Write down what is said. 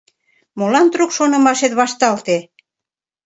Молан трук шонымашет вашталте?